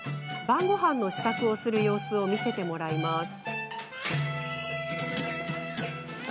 晩ごはんの支度をする様子を見せてもらいます。